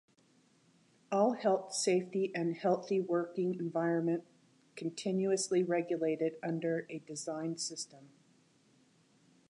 All health safety and healthy working environment continuously regulated under a designed system.